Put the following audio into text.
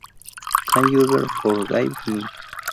Can You Ever Forgive Me?